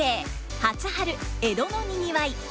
「初春江戸のにぎわい」。